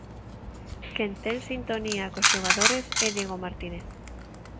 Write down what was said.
Quen ten sintonía cos xogadores é Diego Martínez.